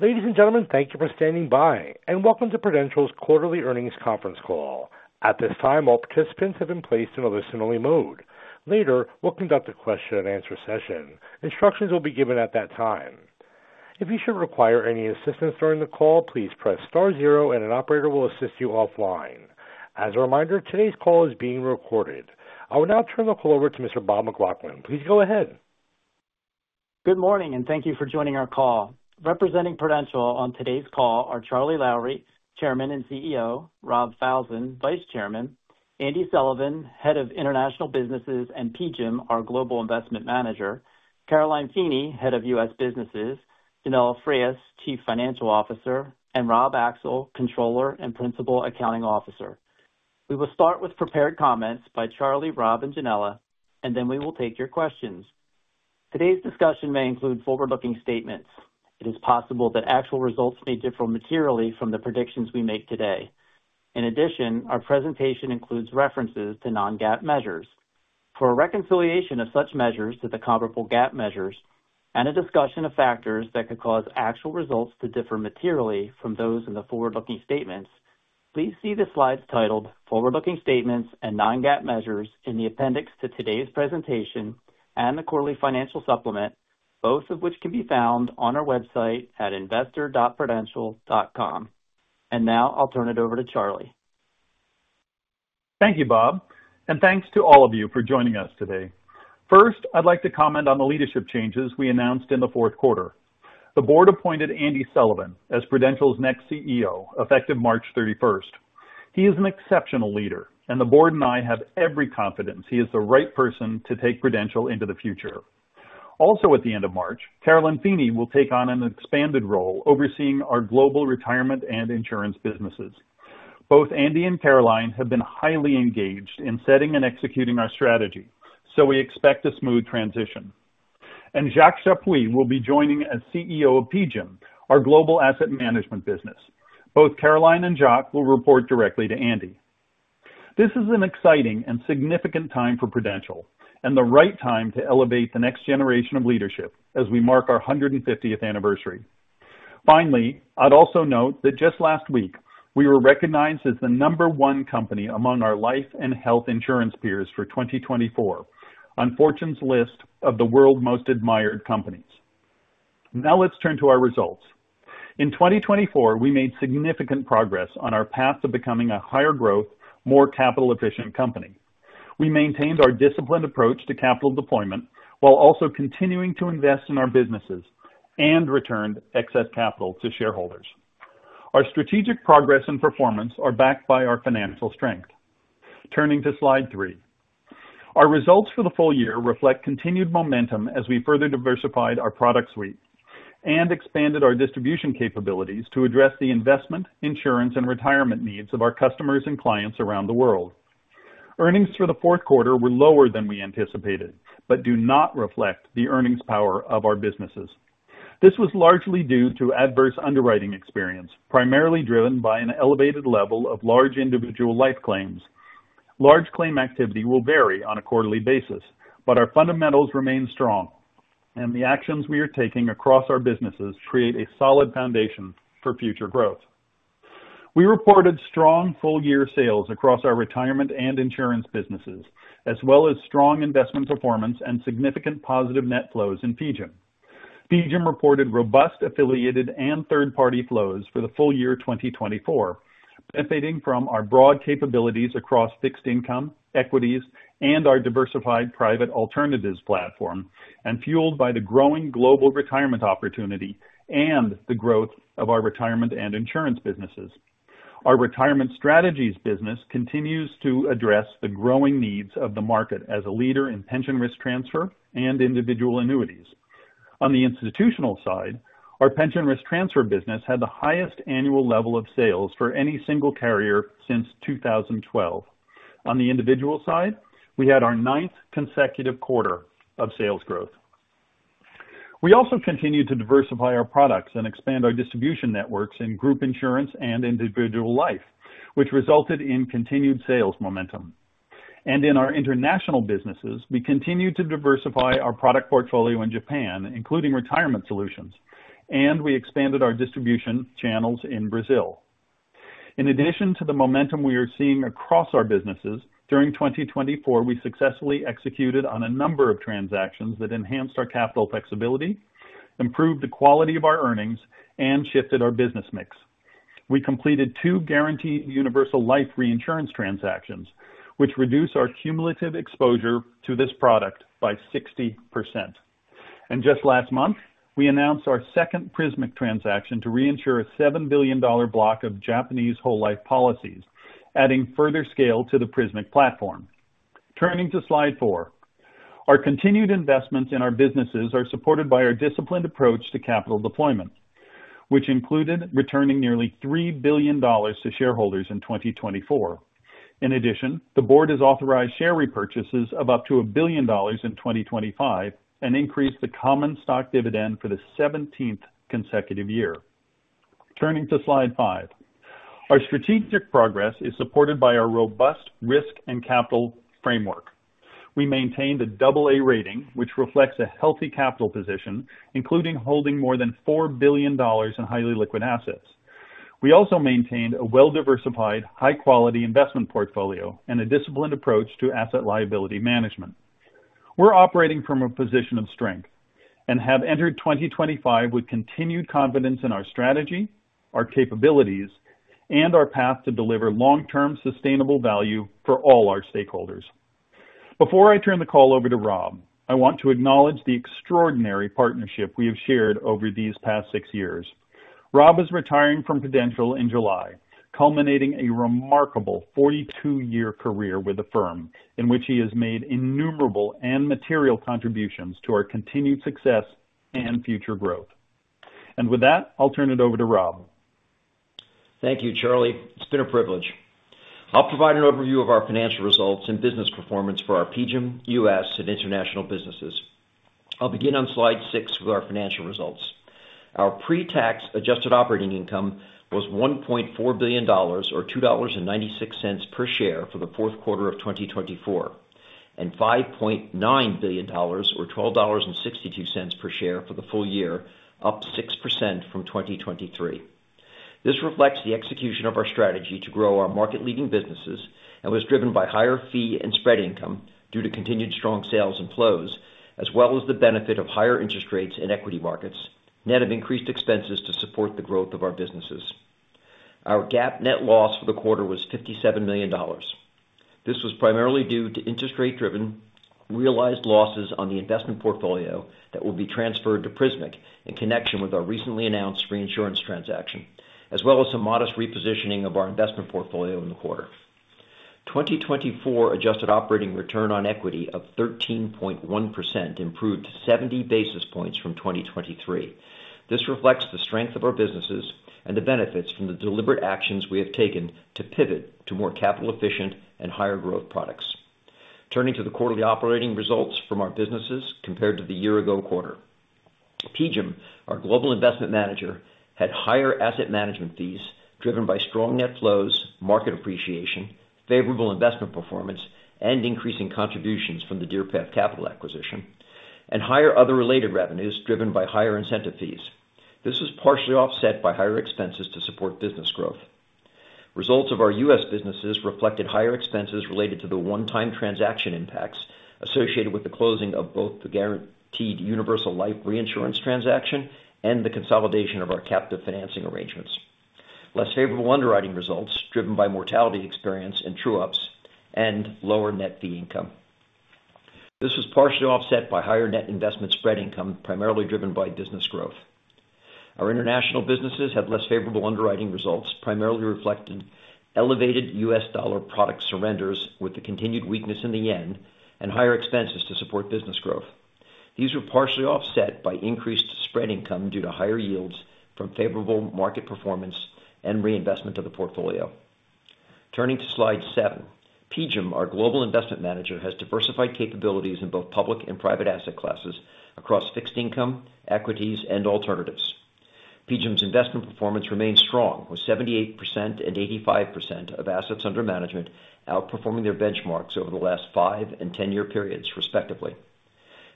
Ladies and gentlemen, thank you for standing by, and welcome to Prudential's quarterly earnings conference call. At this time, all participants have been placed in a listen-only mode. Later, we'll conduct a question-and-answer session. Instructions will be given at that time. If you should require any assistance during the call, please press star zero, and an operator will assist you offline. As a reminder, today's call is being recorded. I will now turn the call over to Mr. Bob McLaughlin. Please go ahead. Good morning, and thank you for joining our call. Representing Prudential on today's call are Charles Lowrey, Chairman and CEO, Rob Falzon, Vice Chairman, Andy Sullivan, Head of International Businesses and PGIM, our global investment manager, Caroline Feeney, Head of U.S. Businesses, Yanela Frias, Chief Financial Officer, and Rob Axel, Controller and Principal Accounting Officer. We will start with prepared comments by Charles, Rob, and Yanela, and then we will take your questions. Today's discussion may include forward-looking statements. It is possible that actual results may differ materially from the predictions we make today. In addition, our presentation includes references to non-GAAP measures. For a reconciliation of such measures to the comparable GAAP measures and a discussion of factors that could cause actual results to differ materially from those in the forward-looking statements, please see the slides titled "Forward-looking Statements and non-GAAP Measures" in the appendix to today's presentation and the quarterly financial supplement, both of which can be found on our website at investor.prudential.com, and now I'll turn it over to Charles. Thank you, Bob, and thanks to all of you for joining us today. First, I'd like to comment on the leadership changes we announced in the fourth quarter. The board appointed Andy Sullivan as Prudential's next CEO effective March 31st. He is an exceptional leader, and the board and I have every confidence he is the right person to take Prudential into the future. Also, at the end of March, Caroline Feeney will take on an expanded role overseeing our global retirement and insurance businesses. Both Andy and Caroline have been highly engaged in setting and executing our strategy, so we expect a smooth transition. And Jacques Chappuis will be joining as CEO of PGIM, our global asset management business. Both Caroline and Jacques will report directly to Andy. This is an exciting and significant time for Prudential, and the right time to elevate the next generation of leadership as we mark our 150th anniversary. Finally, I'd also note that just last week, we were recognized as the number one company among our life and health insurance peers for 2024 on Fortune's list of the world's most admired companies. Now, let's turn to our results. In 2024, we made significant progress on our path to becoming a higher-growth, more capital-efficient company. We maintained our disciplined approach to capital deployment while also continuing to invest in our businesses and returned excess capital to shareholders. Our strategic progress and performance are backed by our financial strength. Turning to slide three, our results for the full year reflect continued momentum as we further diversified our product suite and expanded our distribution capabilities to address the investment, insurance, and retirement needs of our customers and clients around the world. Earnings for the fourth quarter were lower than we anticipated but do not reflect the earnings power of our businesses. This was largely due to adverse underwriting experience, primarily driven by an elevated level of large Individual Life claims. Large claim activity will vary on a quarterly basis, but our fundamentals remain strong, and the actions we are taking across our businesses create a solid foundation for future growth. We reported strong full-year sales across our retirement and insurance businesses, as well as strong investment performance and significant positive net flows in PGIM. PGIM reported robust affiliated and third-party flows for the full year 2024, benefiting from our broad capabilities across fixed income, equities, and our diversified private alternatives platform, and fueled by the growing global retirement opportunity and the growth of our retirement and insurance businesses. Our Retirement Strategies business continues to address the growing needs of the market as a leader in pension risk transfer and individual annuities. On the institutional side, our pension risk transfer business had the highest annual level of sales for any single carrier since 2012. On the individual side, we had our ninth consecutive quarter of sales growth. We also continued to diversify our products and expand our distribution networks in Group Insurance and individual life, which resulted in continued sales momentum. And in our International Businesses, we continued to diversify our product portfolio in Japan, including retirement solutions, and we expanded our distribution channels in Brazil. In addition to the momentum we are seeing across our businesses, during 2024, we successfully executed on a number of transactions that enhanced our capital flexibility, improved the quality of our earnings, and shifted our business mix. We completed two Guaranteed Universal Life reinsurance transactions, which reduced our cumulative exposure to this product by 60%. And just last month, we announced our second Prismic transaction to reinsure a $7 billion block of Japanese whole life policies, adding further scale to the Prismic platform. Turning to Slide 4, our continued investments in our businesses are supported by our disciplined approach to capital deployment, which included returning nearly $3 billion to shareholders in 2024. In addition, the board has authorized share repurchases of up to $1 billion in 2025 and increased the common stock dividend for the 17th consecutive year. Turning to Slide 5, our strategic progress is supported by our robust risk and capital framework. We maintained a double-A rating, which reflects a healthy capital position, including holding more than $4 billion in highly liquid assets. We also maintained a well-diversified, high-quality investment portfolio and a disciplined approach to asset liability management. We're operating from a position of strength and have entered 2025 with continued confidence in our strategy, our capabilities, and our path to deliver long-term sustainable value for all our stakeholders. Before I turn the call over to Rob, I want to acknowledge the extraordinary partnership we have shared over these past six years. Rob is retiring from Prudential in July, culminating a remarkable 42-year career with the firm in which he has made innumerable and material contributions to our continued success and future growth. And with that, I'll turn it over to Rob. Thank you, Charles. It's been a privilege. I'll provide an overview of our financial results and business performance for our PGIM, U.S., and International Businesses. I'll begin on Slide 6 with our financial results. Our pre-tax adjusted operating income was $1.4 billion, or $2.96 per share for the fourth quarter of 2024, and $5.9 billion, or $12.62 per share for the full year, up 6% from 2023. This reflects the execution of our strategy to grow our market-leading businesses and was driven by higher fee and spread income due to continued strong sales and flows, as well as the benefit of higher interest rates in equity markets, net of increased expenses to support the growth of our businesses. Our GAAP net loss for the quarter was $57 million. This was primarily due to interest rate-driven, realized losses on the investment portfolio that will be transferred to Prismic in connection with our recently announced reinsurance transaction, as well as some modest repositioning of our investment portfolio in the quarter. 2024 adjusted operating return on equity of 13.1% improved 70 basis points from 2023. This reflects the strength of our businesses and the benefits from the deliberate actions we have taken to pivot to more capital-efficient and higher-growth products. Turning to the quarterly operating results from our businesses compared to the year-ago quarter, PGIM, our global investment manager, had higher asset management fees driven by strong net flows, market appreciation, favorable investment performance, and increasing contributions from the Deerpath Capital acquisition, and higher other related revenues driven by higher incentive fees. This was partially offset by higher expenses to support business growth. Results of our U.S. Businesses reflected higher expenses related to the one-time transaction impacts associated with the closing of both the Guaranteed Universal Life reinsurance transaction and the consolidation of our captive financing arrangements. Less favorable underwriting results driven by mortality experience and true-ups and lower net fee income. This was partially offset by higher net investment spread income primarily driven by business growth. Our International Businesses had less favorable underwriting results, primarily reflecting elevated U.S. dollar product surrenders with the continued weakness in the yen and higher expenses to support business growth. These were partially offset by increased spread income due to higher yields from favorable market performance and reinvestment of the portfolio. Turning to Slide 7, PGIM, our global investment manager, has diversified capabilities in both public and private asset classes across fixed income, equities, and alternatives. PGIM's investment performance remains strong, with 78% and 85% of assets under management outperforming their benchmarks over the last five and ten-year periods, respectively.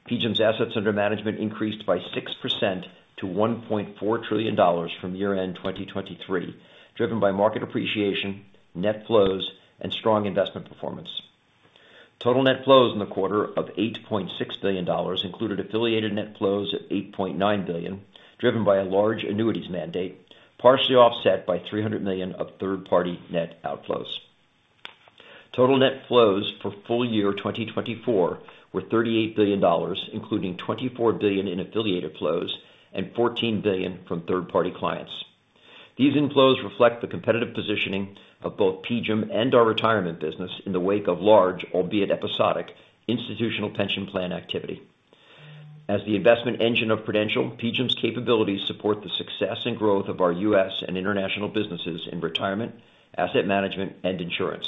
PGIM's assets under management increased by 6% to $1.4 trillion from year-end 2023, driven by market appreciation, net flows, and strong investment performance. Total net flows in the quarter of $8.6 billion included affiliated net flows of $8.9 billion, driven by a large annuities mandate, partially offset by $300 million of third-party net outflows. Total net flows for full year 2024 were $38 billion, including $24 billion in affiliated flows and $14 billion from third-party clients. These inflows reflect the competitive positioning of both PGIM and our retirement business in the wake of large, albeit episodic, institutional pension plan activity. As the investment engine of Prudential, PGIM's capabilities support the success and growth of our U.S. and International Businesses in retirement, asset management, and insurance.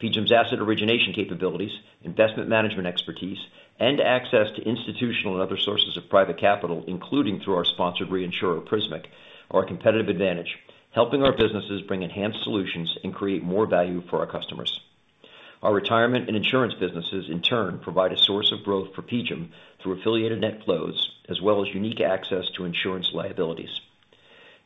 PGIM's asset origination capabilities, investment management expertise, and access to institutional and other sources of private capital, including through our sponsored reinsurer, Prismic, are a competitive advantage, helping our businesses bring enhanced solutions and create more value for our customers. Our retirement and insurance businesses, in turn, provide a source of growth for PGIM through affiliated net flows, as well as unique access to insurance liabilities.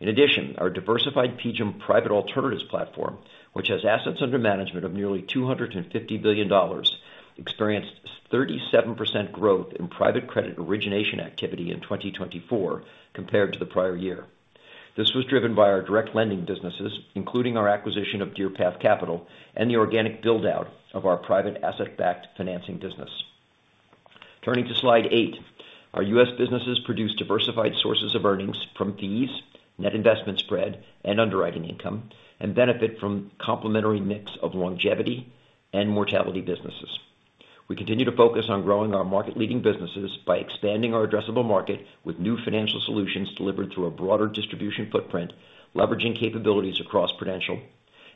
In addition, our diversified PGIM private alternatives platform, which has assets under management of nearly $250 billion, experienced 37% growth in private credit origination activity in 2024 compared to the prior year. This was driven by our direct lending businesses, including our acquisition of DeerPath Capital and the organic build-out of our private asset-backed financing business. Turning to Slide 8, our U.S. Businesses produce diversified sources of earnings from fees, net investment spread, and underwriting income, and benefit from a complementary mix of longevity and mortality businesses. We continue to focus on growing our market-leading businesses by expanding our addressable market with new financial solutions delivered through a broader distribution footprint, leveraging capabilities across Prudential,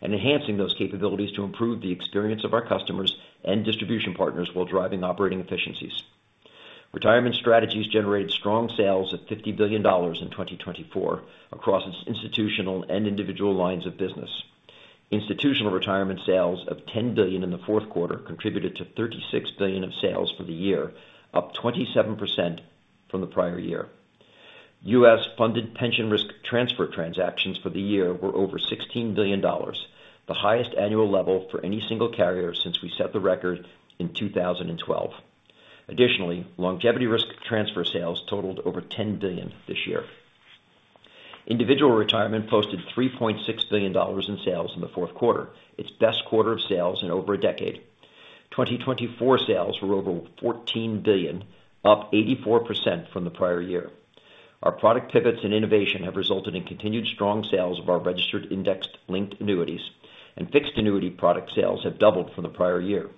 and enhancing those capabilities to improve the experience of our customers and distribution partners while driving operating efficiencies. Retirement Strategies generated strong sales of $50 billion in 2024 across institutional and individual lines of business. Institutional Retirement sales of $10 billion in the fourth quarter contributed to $36 billion of sales for the year, up 27% from the prior year. U.S. funded pension risk transfer transactions for the year were over $16 billion, the highest annual level for any single carrier since we set the record in 2012. Additionally, longevity risk transfer sales totaled over $10 billion this year. Individual Retirement posted $3.6 billion in sales in the fourth quarter, its best quarter of sales in over a decade. 2024 sales were over $14 billion, up 84% from the prior year. Our product pivots and innovation have resulted in continued strong sales of our registered index-linked annuities, and fixed annuity product sales have doubled from the prior year.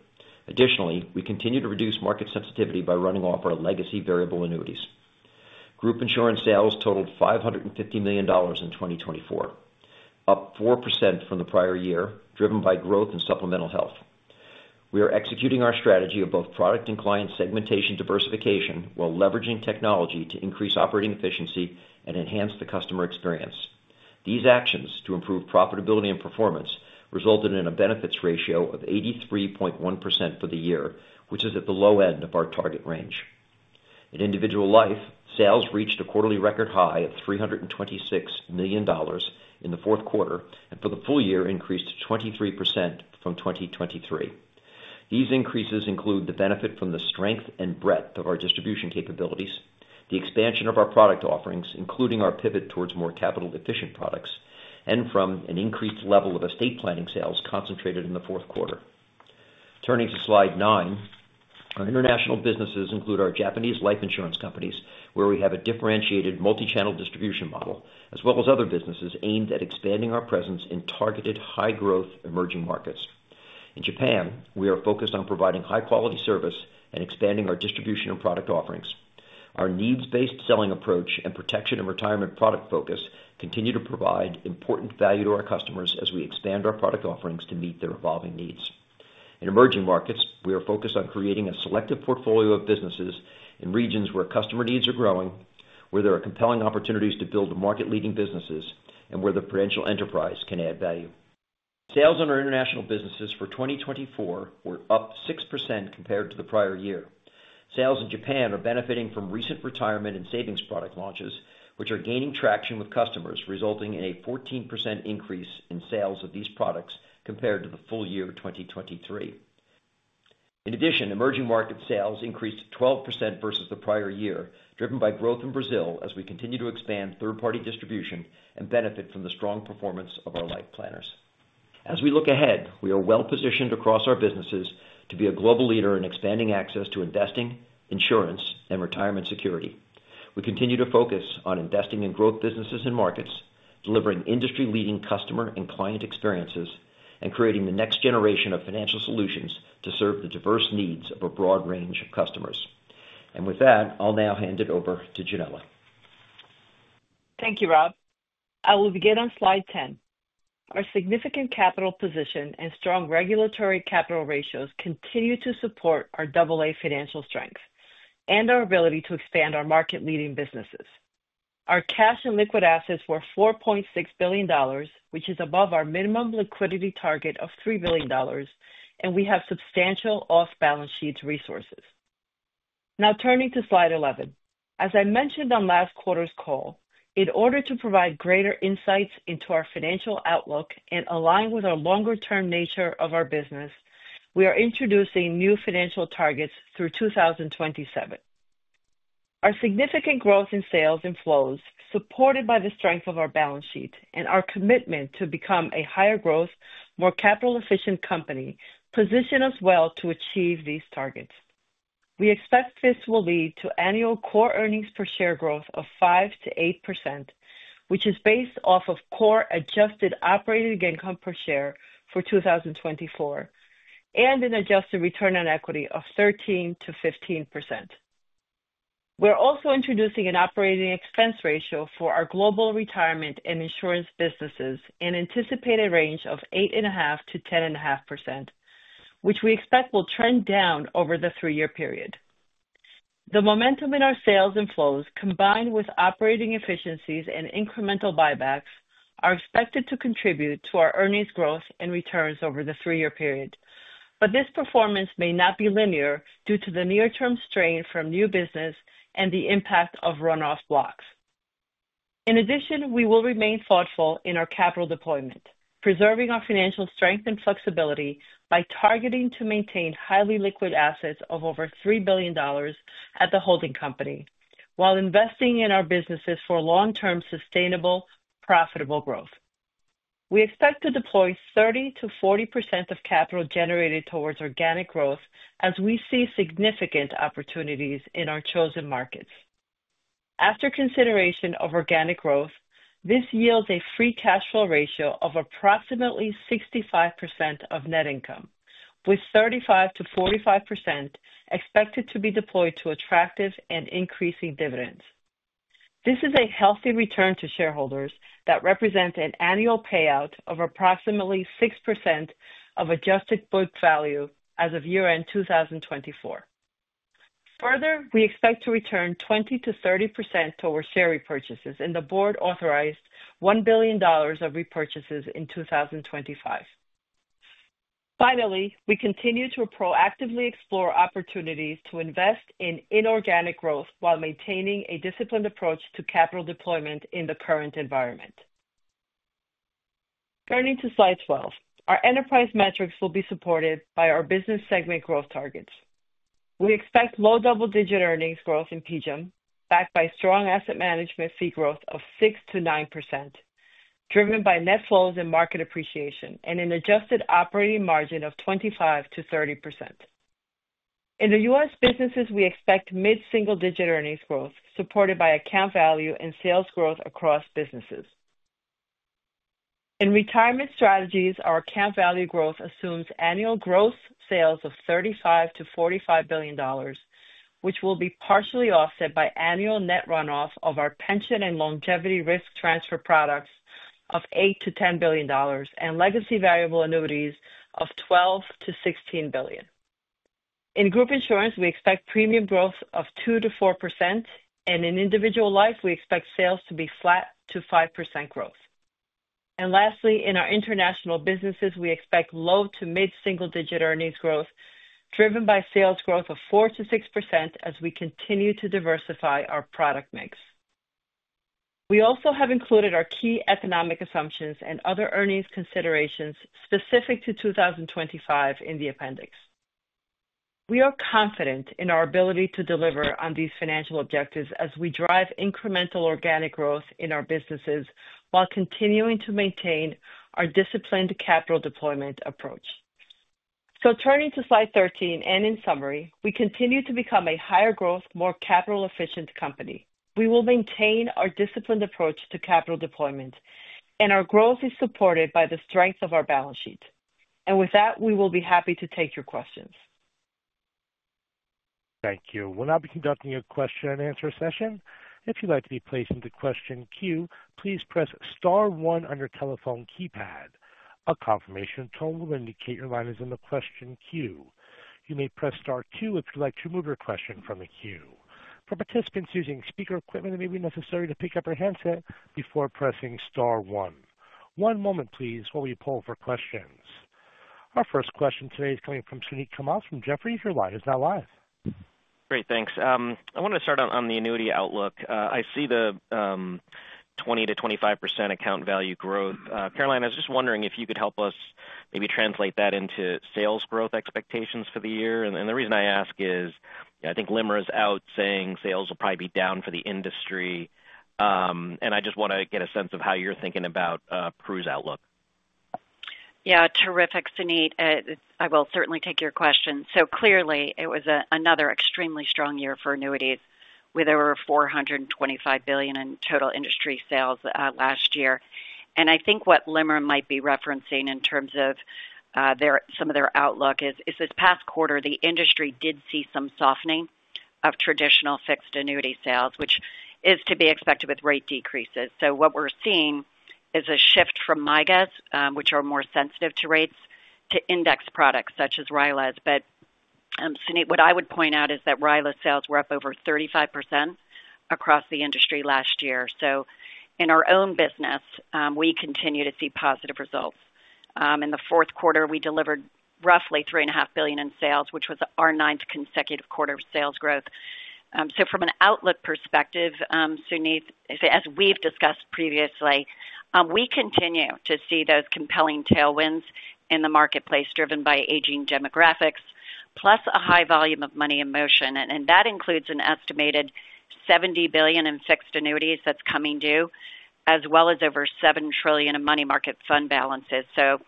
Additionally, we continue to reduce market sensitivity by running off our legacy variable annuities. Group Insurance sales totaled $550 million in 2024, up 4% from the prior year, driven by growth and supplemental health. We are executing our strategy of both product and client segmentation diversification while leveraging technology to increase operating efficiency and enhance the customer experience. These actions to improve profitability and performance resulted in a benefits ratio of 83.1% for the year, which is at the low end of our target range. In Individual life, sales reached a quarterly record high of $326 million in the fourth quarter, and for the full year, increased 23% from 2023. These increases include the benefit from the strength and breadth of our distribution capabilities, the expansion of our product offerings, including our pivot towards more capital-efficient products, and from an increased level of estate planning sales concentrated in the fourth quarter. Turning to Slide 9, our International Businesses include our Japanese life insurance companies, where we have a differentiated multi-channel distribution model, as well as other businesses aimed at expanding our presence in targeted high-growth Emerging Markets. In Japan, we are focused on providing high-quality service and expanding our distribution and product offerings. Our needs-based selling approach and protection and retirement product focus continue to provide important value to our customers as we expand our product offerings to meet their evolving needs. In Emerging Markets, we are focused on creating a selective portfolio of businesses in regions where customer needs are growing, where there are compelling opportunities to build market-leading businesses, and where the Prudential enterprise can add value. Sales in our International Businesses for 2024 were up 6% compared to the prior year. Sales in Japan are benefiting from recent retirement and savings product launches, which are gaining traction with customers, resulting in a 14% increase in sales of these products compared to the full year 2023. In addition, emerging market sales increased 12% versus the prior year, driven by growth in Brazil as we continue to expand third-party distribution and benefit from the strong performance of our life planners. As we look ahead, we are well-positioned across our businesses to be a global leader in expanding access to investing, insurance, and retirement security. We continue to focus on investing in growth businesses and markets, delivering industry-leading customer and client experiences, and creating the next generation of financial solutions to serve the diverse needs of a broad range of customers, and with that, I'll now hand it over to Yanela. Thank you, Rob. I will begin on Slide 10. Our significant capital position and strong regulatory capital ratios continue to support our double-A financial strength and our ability to expand our market-leading businesses. Our cash and liquid assets were $4.6 billion, which is above our minimum liquidity target of $3 billion, and we have substantial off-balance sheet resources. Now, turning to Slide 11, as I mentioned on last quarter's call, in order to provide greater insights into our financial outlook and align with our longer-term nature of our business, we are introducing new financial targets through 2027. Our significant growth in sales and flows, supported by the strength of our balance sheet and our commitment to become a higher-growth, more capital-efficient company, position us well to achieve these targets. We expect this will lead to annual core earnings per share growth of 5%-8%, which is based off of core adjusted operating income per share for 2024 and an adjusted return on equity of 13%-15%. We're also introducing an operating expense ratio for our global retirement and insurance businesses and an anticipated range of 8.5%-10.5%, which we expect will trend down over the three-year period. The momentum in our sales and flows, combined with operating efficiencies and incremental buybacks, are expected to contribute to our earnings growth and returns over the three-year period, but this performance may not be linear due to the near-term strain from new business and the impact of runoff blocks. In addition, we will remain thoughtful in our capital deployment, preserving our financial strength and flexibility by targeting to maintain highly liquid assets of over $3 billion at the holding company, while investing in our businesses for long-term sustainable, profitable growth. We expect to deploy 30%-40% of capital generated towards organic growth as we see significant opportunities in our chosen markets. After consideration of organic growth, this yields a free cash flow ratio of approximately 65% of net income, with 35%-45% expected to be deployed to attractive and increasing dividends. This is a healthy return to shareholders that represents an annual payout of approximately 6% of adjusted book value as of year-end 2024. Further, we expect to return 20%-30% towards share repurchases and the board authorized $1 billion of repurchases in 2025. Finally, we continue to proactively explore opportunities to invest in inorganic growth while maintaining a disciplined approach to capital deployment in the current environment. Turning to Slide 12, our enterprise metrics will be supported by our business segment growth targets. We expect low double-digit earnings growth in PGIM, backed by strong asset management fee growth of 6%-9%, driven by net flows and market appreciation, and an adjusted operating margin of 25%-30%. In the U.S. businesses, we expect mid-single-digit earnings growth, supported by account value and sales growth across businesses. In Retirement Strategies, our account value growth assumes annual gross sales of $35 billion to $45 billion, which will be partially offset by annual net runoff of our pension and longevity risk transfer products of $8 billion to $10 billion and legacy variable annuities of $12 billion to $16 billion. In Group Insurance, we expect premium growth of 2%-4%, and in Individual life, we expect sales to be flat to 5% growth. And lastly, in our International Businesses, we expect low to mid-single-digit earnings growth, driven by sales growth of 4%-6% as we continue to diversify our product mix. We also have included our key economic assumptions and other earnings considerations specific to 2025 in the appendix. We are confident in our ability to deliver on these financial objectives as we drive incremental organic growth in our businesses while continuing to maintain our disciplined capital deployment approach. So turning to Slide 13, and in summary, we continue to become a higher-growth, more capital-efficient company. We will maintain our disciplined approach to capital deployment, and our growth is supported by the strength of our balance sheet. And with that, we will be happy to take your questions. Thank you. We'll now be conducting a question-and-answer session. If you'd like to be placed into question queue, please press Star 1 on your telephone keypad. A confirmation tone will indicate your line is in the question queue. You may press Star 2 if you'd like to remove your question from the queue. For participants using speaker equipment, it may be necessary to pick up your handset before pressing Star 1. One moment, please, while we pull for questions. Our first question today is coming from Suneet Kamath from Jefferies. Your line is now live. Great, thanks. I wanted to start on the annuity outlook. I see the 20%-25% account value growth. Caroline, I was just wondering if you could help us maybe translate that into sales growth expectations for the year. And the reason I ask is I think LIMRA is out saying sales will probably be down for the industry. And I just want to get a sense of how you're thinking about Pru's outlook. Yeah, terrific, Suneet. I will certainly take your question. So clearly, it was another extremely strong year for annuities, with over $425 billion in total industry sales last year. And I think what LIMRA might be referencing in terms of some of their outlook is this past quarter, the industry did see some softening of traditional fixed annuity sales, which is to be expected with rate decreases. So what we're seeing is a shift from MIGAs, which are more sensitive to rates, to index products such as RILAs. But Suneet, what I would point out is that RILA sales were up over 35% across the industry last year. So in our own business, we continue to see positive results. In the fourth quarter, we delivered roughly $3.5 billion in sales, which was our ninth consecutive quarter of sales growth. From an outlook perspective, Suneet, as we've discussed previously, we continue to see those compelling tailwinds in the marketplace driven by aging demographics, plus a high volume of money in motion. And that includes an estimated $70 billion in fixed annuities that's coming due, as well as over $7 trillion in money market fund balances. So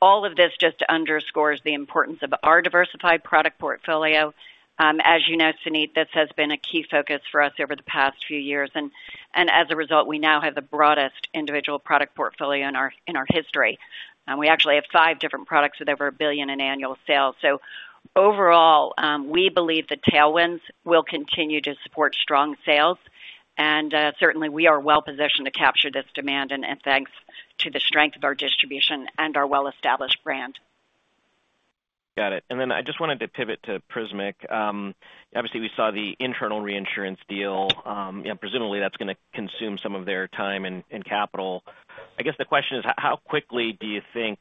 all of this just underscores the importance of our diversified product portfolio. As you know, Suneet, this has been a key focus for us over the past few years. And as a result, we now have the broadest individual product portfolio in our history. We actually have five different products with over $1 billion in annual sales. So overall, we believe the tailwinds will continue to support strong sales. And certainly, we are well-positioned to capture this demand, and thanks to the strength of our distribution and our well-established brand. Got it. And then I just wanted to pivot to Prismic. Obviously, we saw the internal reinsurance deal. Presumably, that's going to consume some of their time and capital. I guess the question is, how quickly do you think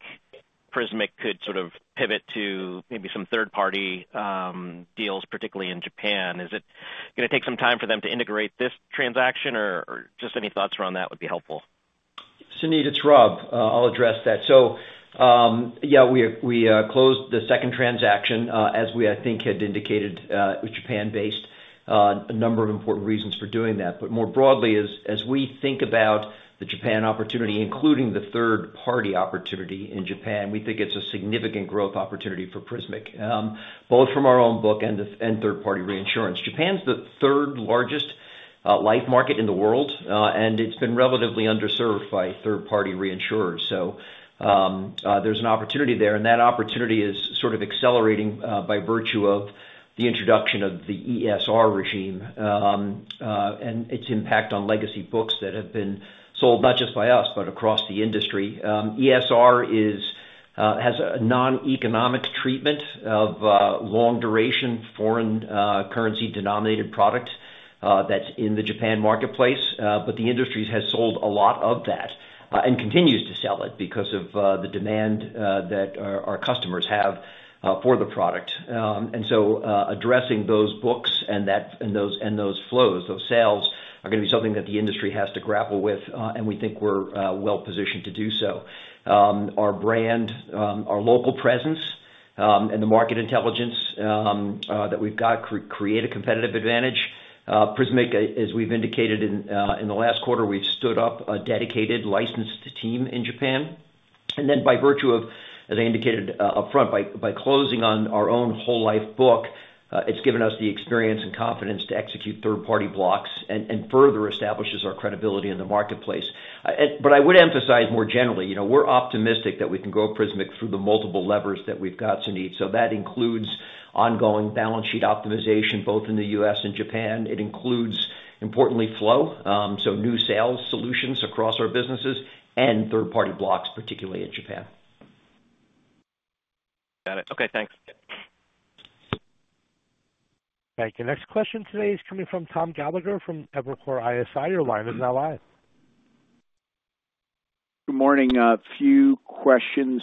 Prismic could sort of pivot to maybe some third-party deals, particularly in Japan? Is it going to take some time for them to integrate this transaction, or just any thoughts around that would be helpful? Suneet, it's Rob. I'll address that. So yeah, we closed the second transaction, as we I think had indicated, with Japan-based, a number of important reasons for doing that. But more broadly, as we think about the Japan opportunity, including the third-party opportunity in Japan, we think it's a significant growth opportunity for Prismic, both from our own book and third-party reinsurance. Japan's the third-largest life market in the world, and it's been relatively underserved by third-party reinsurers. So there's an opportunity there. And that opportunity is sort of accelerating by virtue of the introduction of the ESR regime and its impact on legacy books that have been sold not just by us, but across the industry. ESR has a non-economic treatment of long-duration foreign currency-denominated product that's in the Japan marketplace. But the industry has sold a lot of that and continues to sell it because of the demand that our customers have for the product. And so addressing those books and those flows, those sales are going to be something that the industry has to grapple with, and we think we're well-positioned to do so. Our brand, our local presence, and the market intelligence that we've got create a competitive advantage. Prismic, as we've indicated in the last quarter, we've stood up a dedicated licensed team in Japan. And then by virtue of, as I indicated upfront, by closing on our own whole life book, it's given us the experience and confidence to execute third-party blocks and further establishes our credibility in the marketplace. But I would emphasize more generally, we're optimistic that we can grow Prismic through the multiple levers that we've got, Suneet. So that includes ongoing balance sheet optimization both in the U.S. and Japan. It includes, importantly, flow, so new sales solutions across our businesses and third-party blocks, particularly in Japan. Got it. Okay, thanks. Thank you. Next question today is coming from Tom Gallagher from Evercore ISI. Your line is now live. Good morning. A few questions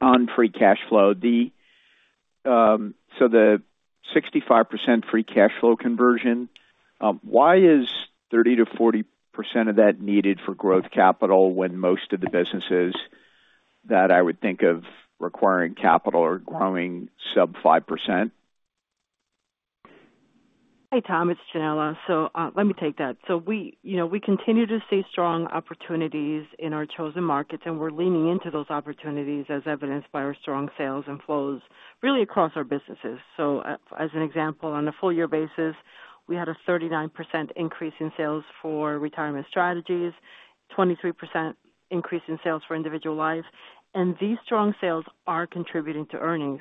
on free cash flow. So the 65% free cash flow conversion, why is 30%-40% of that needed for growth capital when most of the businesses that I would think of requiring capital are growing sub 5%? Hey, Tom, it's Yanela. So let me take that. So we continue to see strong opportunities in our chosen markets, and we're leaning into those opportunities as evidenced by our strong sales and flows really across our businesses. So as an example, on a full-year basis, we had a 39% increase in sales for Retirement Strategies, a 23% increase in sales for Individual life. And these strong sales are contributing to earnings.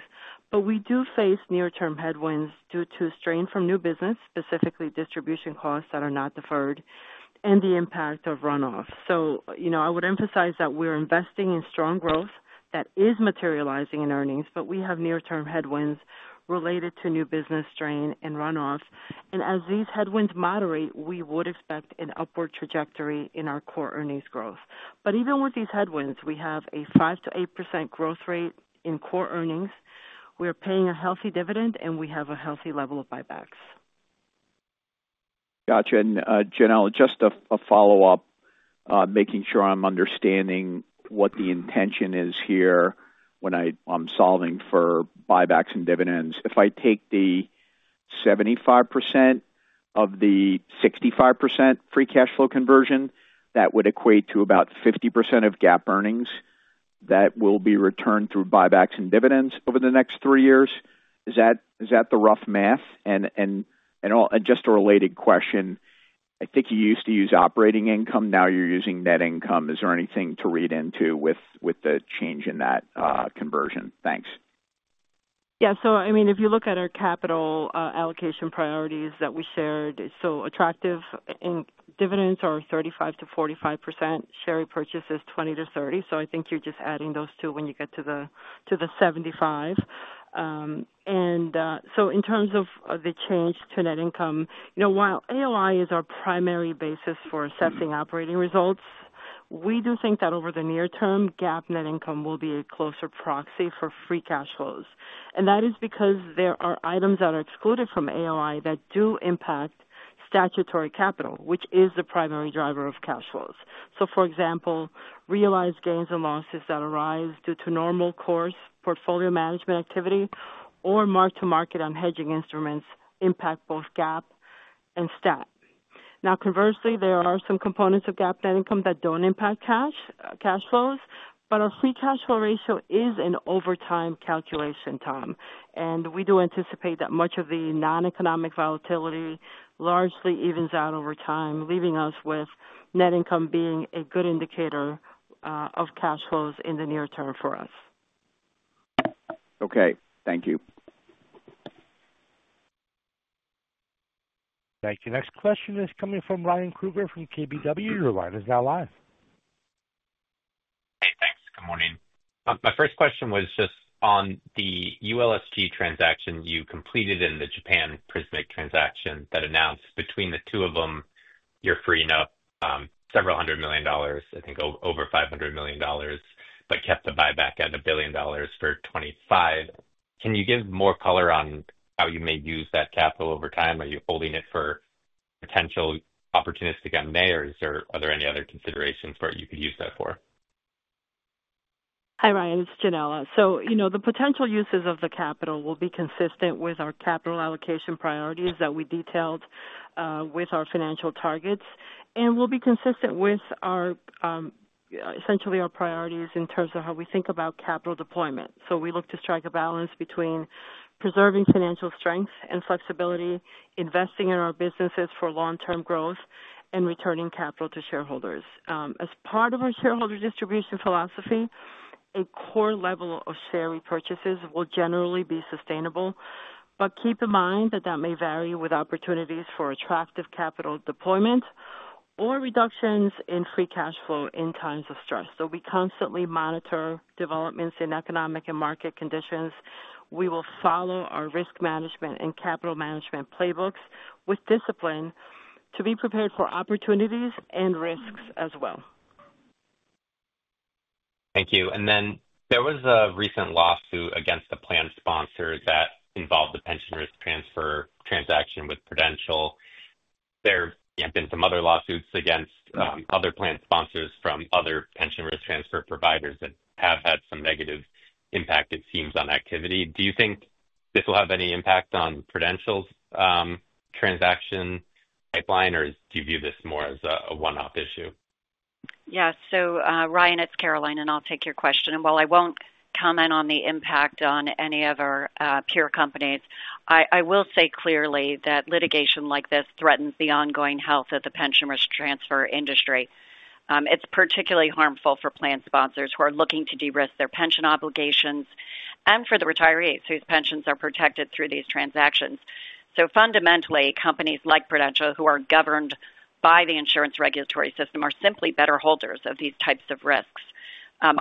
But we do face near-term headwinds due to strain from new business, specifically distribution costs that are not deferred, and the impact of runoff. So I would emphasize that we're investing in strong growth that is materializing in earnings, but we have near-term headwinds related to new business strain and runoff. And as these headwinds moderate, we would expect an upward trajectory in our core earnings growth. But even with these headwinds, we have a 5%-8% growth rate in core earnings. We are paying a healthy dividend, and we have a healthy level of buybacks. Gotcha. And Yanela, just a follow-up, making sure I'm understanding what the intention is here when I'm solving for buybacks and dividends. If I take the 75% of the 65% free cash flow conversion, that would equate to about 50% of GAAP earnings that will be returned through buybacks and dividends over the next three years. Is that the rough math? And just a related question, I think you used to use operating income. Now you're using net income. Is there anything to read into with the change in that conversion? Thanks. Yeah. So I mean, if you look at our capital allocation priorities that we shared, so attractive dividends are 35%-45%. Share repurchase is 20%-30%. So I think you're just adding those two when you get to the 75%. And so in terms of the change to net income, while AOI is our primary basis for assessing operating results, we do think that over the near term, GAAP net income will be a closer proxy for free cash flows. And that is because there are items that are excluded from AOI that do impact statutory capital, which is the primary driver of cash flows. So for example, realized gains and losses that arise due to normal course portfolio management activity or mark-to-market on hedging instruments impact both GAAP and stat. Now, conversely, there are some components of GAAP net income that don't impact cash flows, but our free cash flow ratio is an over time calculation, Tom, and we do anticipate that much of the non-economic volatility largely evens out over time, leaving us with net income being a good indicator of cash flows in the near term for us. Okay. Thank you. Thank you. Next question is coming from Ryan Kruger from KBW. Your line is now live. Hey, thanks. Good morning. My first question was just on the ULSG transaction you completed in the Japan-Prismic transaction that announced between the two of them. You're freeing up several hundred million dollars, I think over $500 million, but kept the buyback at $1 billion for $25. Can you give more color on how you may use that capital over time? Are you holding it for potential opportunistic M&A, or are there any other considerations for it you could use that for? Hi, Ryan. It's Yanela. So the potential uses of the capital will be consistent with our capital allocation priorities that we detailed with our financial targets, and will be consistent with essentially our priorities in terms of how we think about capital deployment. So we look to strike a balance between preserving financial strength and flexibility, investing in our businesses for long-term growth, and returning capital to shareholders. As part of our shareholder distribution philosophy, a core level of share repurchases will generally be sustainable, but keep in mind that that may vary with opportunities for attractive capital deployment or reductions in free cash flow in times of stress. So we constantly monitor developments in economic and market conditions. We will follow our risk management and capital management playbooks with discipline to be prepared for opportunities and risks as well. Thank you. And then there was a recent lawsuit against a plan sponsor that involved a pension risk transfer transaction with Prudential. There have been some other lawsuits against other plan sponsors from other pension risk transfer providers that have had some negative impact, it seems, on activity. Do you think this will have any impact on Prudential's transaction pipeline, or do you view this more as a one-off issue? Yeah. So Ryan, it's Caroline, and I'll take your question, and while I won't comment on the impact on any of our peer companies, I will say clearly that litigation like this threatens the ongoing health of the pension risk transfer industry. It's particularly harmful for plan sponsors who are looking to de-risk their pension obligations and for the retirees whose pensions are protected through these transactions, so fundamentally, companies like Prudential, who are governed by the insurance regulatory system, are simply better holders of these types of risks.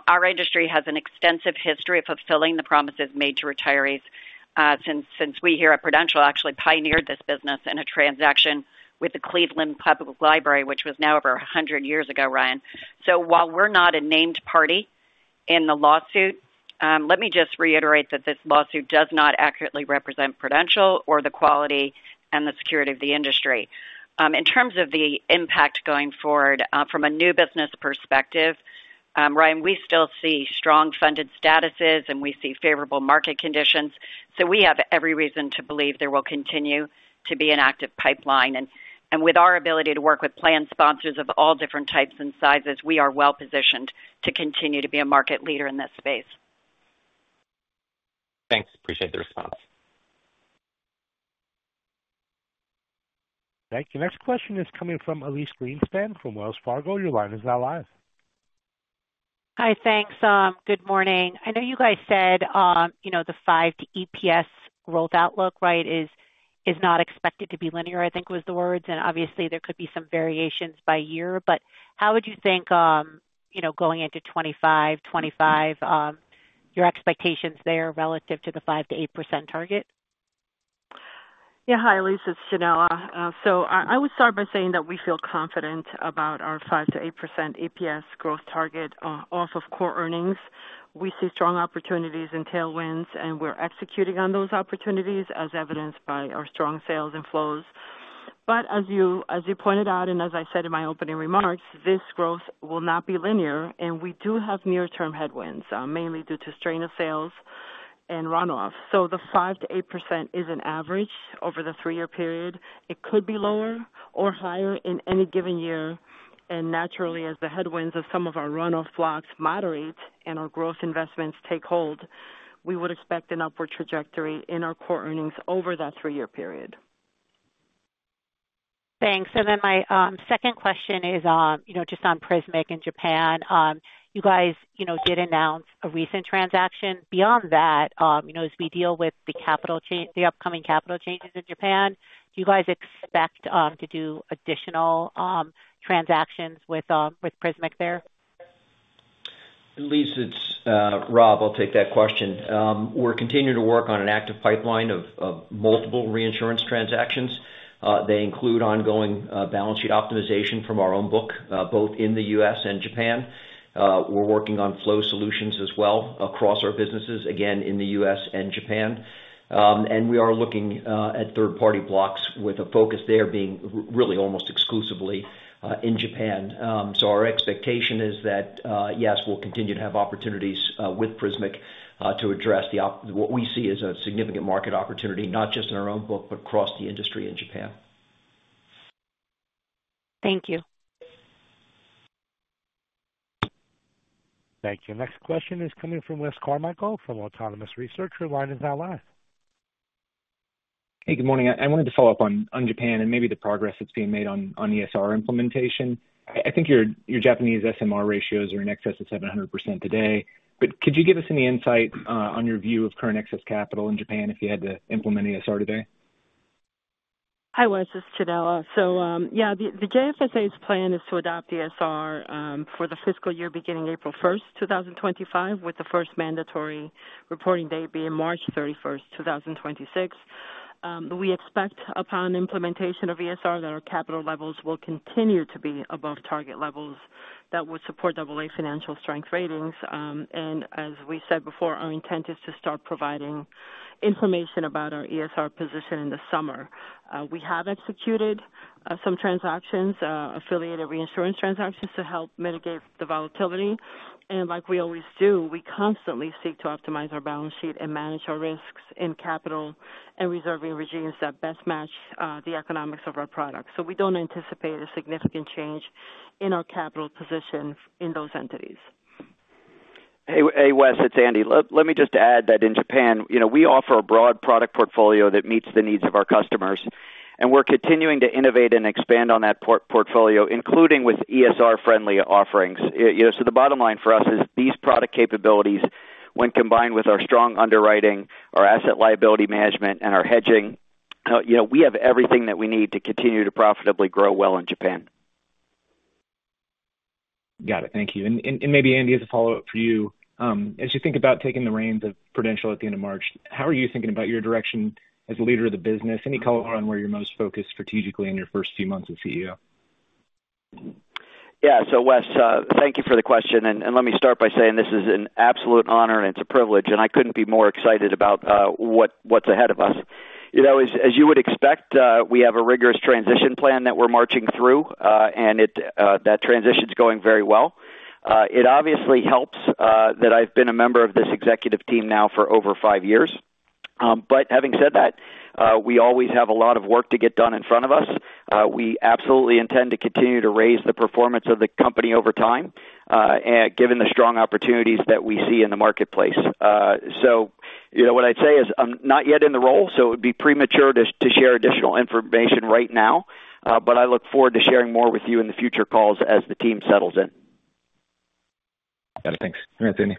Our industry has an extensive history of fulfilling the promises made to retirees since we here at Prudential actually pioneered this business in a transaction with the Cleveland Public Library, which was now over 100 years ago, Ryan. So while we're not a named party in the lawsuit, let me just reiterate that this lawsuit does not accurately represent Prudential or the quality and the security of the industry. In terms of the impact going forward from a new business perspective, Ryan, we still see strong funded statuses, and we see favorable market conditions. So we have every reason to believe there will continue to be an active pipeline. And with our ability to work with plan sponsors of all different types and sizes, we are well-positioned to continue to be a market leader in this space. Thanks. Appreciate the response. Thank you. Next question is coming from Elyse Greenspan from Wells Fargo. Your line is now live. Hi, thanks. Good morning. I know you guys said the 5% EPS growth outlook, right, is not expected to be linear, I think was the words. And obviously, there could be some variations by year. But how would you think going into 2025, 2025, your expectations there relative to the 5%-8% target? Yeah. Hi, Elyse. It's Yanela, so I would start by saying that we feel confident about our 5%-8% EPS growth target off of core earnings. We see strong opportunities in tailwinds, and we're executing on those opportunities as evidenced by our strong sales and flows, but as you pointed out, and as I said in my opening remarks, this growth will not be linear, and we do have near-term headwinds, mainly due to strain of sales and runoff, so the 5%-8% is an average over the three-year period. It could be lower or higher in any given year, and naturally, as the headwinds of some of our runoff blocks moderate and our growth investments take hold, we would expect an upward trajectory in our core earnings over that three-year period. Thanks. And then my second question is just on Prismic in Japan. You guys did announce a recent transaction. Beyond that, as we deal with the upcoming capital changes in Japan, do you guys expect to do additional transactions with Prismic there? Elyse, it's Rob. I'll take that question. We're continuing to work on an active pipeline of multiple reinsurance transactions. They include ongoing balance sheet optimization from our own book, both in the U.S. and Japan. We're working on flow solutions as well across our businesses, again, in the U.S. and Japan. And we are looking at third-party blocks with a focus there being really almost exclusively in Japan. So our expectation is that, yes, we'll continue to have opportunities with Prismic to address what we see as a significant market opportunity, not just in our own book, but across the industry in Japan. Thank you. Thank you. Next question is coming from Wes Carmichael from Autonomous Research. Your line is now live. Hey, good morning. I wanted to follow up on Japan and maybe the progress that's being made on ESR implementation. I think your Japanese SMR ratios are in excess of 700% today. But could you give us any insight on your view of current excess capital in Japan if you had to implement ESR today? Hi, Wes. It's Yanela. So yeah, the JFSA's plan is to adopt ESR for the fiscal year beginning April 1st, 2025, with the first mandatory reporting date being March 31st, 2026. We expect upon implementation of ESR that our capital levels will continue to be above target levels that would support AA financial strength ratings. And as we said before, our intent is to start providing information about our ESR position in the summer. We have executed some transactions, affiliated reinsurance transactions to help mitigate the volatility. And like we always do, we constantly seek to optimize our balance sheet and manage our risks in capital and reserving regimes that best match the economics of our product. So we don't anticipate a significant change in our capital position in those entities. Hey, Wes. It's Andy. Let me just add that in Japan, we offer a broad product portfolio that meets the needs of our customers. And we're continuing to innovate and expand on that portfolio, including with ESR-friendly offerings. So the bottom line for us is these product capabilities, when combined with our strong underwriting, our asset liability management, and our hedging, we have everything that we need to continue to profitably grow well in Japan. Got it. Thank you. And maybe, Andy, as a follow-up for you, as you think about taking the reins of Prudential at the end of March, how are you thinking about your direction as a leader of the business? Any color on where you're most focused strategically in your first few months as CEO? Yeah, so Wes, thank you for the question. Let me start by saying this is an absolute honor, and it's a privilege. I couldn't be more excited about what's ahead of us. As you would expect, we have a rigorous transition plan that we're marching through, and that transition's going very well. It obviously helps that I've been a member of this executive team now for over five years, but having said that, we always have a lot of work to get done in front of us. We absolutely intend to continue to raise the performance of the company over time, given the strong opportunities that we see in the marketplace, so what I'd say is I'm not yet in the role, so it would be premature to share additional information right now. But I look forward to sharing more with you in the future calls as the team settles in. Got it. Thanks. Thanks, Andy.